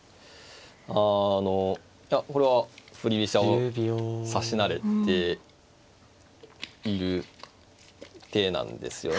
あのいやこれは振り飛車を指し慣れている手なんですよね。